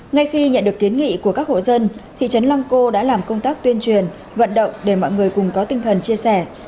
ngay khi nhận được kiến nghị của các hộ dân thị trấn lăng cô đã làm công tác tuyên truyền vận động để mọi người cùng có tinh thần chia sẻ